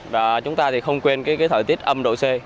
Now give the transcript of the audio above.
và chúng ta thì không quên cái thời tiết âm độ c